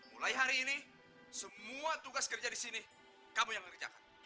mulai hari ini semua tugas kerja di sini kamu yang ngerjakan